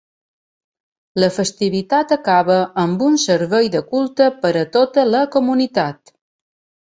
La festivitat acaba amb un servei de culte per a tota la comunitat.